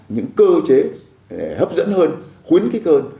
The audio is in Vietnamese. những cơ chế hấp dẫn hơn khuyến khích hơn